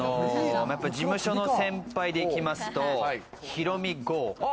事務所の先輩で行きますとひろみ郷。